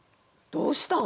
どうしたん？